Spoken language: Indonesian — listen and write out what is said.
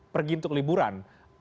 pergi untuk liburan